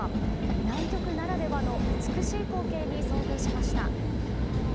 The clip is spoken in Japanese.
南極ならではの美しい光景に遭遇しました。